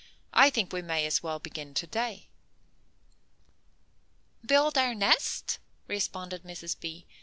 I think we may as well begin to day." "Build our nest?" responded Mrs. B.